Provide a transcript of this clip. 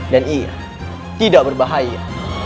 dan ia tidak berbahaya